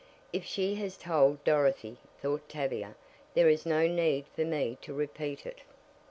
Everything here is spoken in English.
"If she has told Dorothy," thought Tavia, "there is no need for me to repeat it."